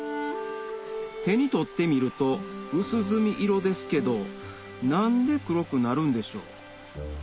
手に取ってみると薄墨色ですけど何で黒くなるんでしょう？